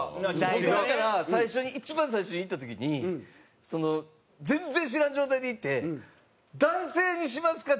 僕だから最初に一番最初に行った時にその全然知らん状態で行って「男性にしますか？